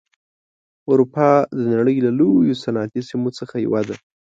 اروپا د نړۍ له لویو صنعتي سیمو څخه یوه ده.